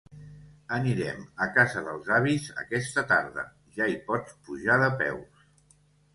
Anirem a casa dels avis aquesta tarda, ja hi pots pujar de peus.